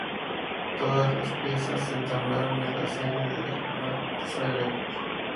Todas las piezas se ensamblaron en la sede de Rimac en Zagreb.